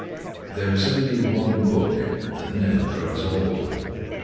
] There is only one Book that never grows old.